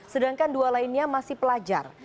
sedangkan dua lainnya masih pelajar